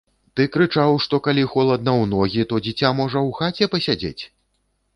Ты крычаў, што калі холадна ў ногі, то дзіця можа ў хаце пасядзець?